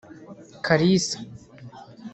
Kalisa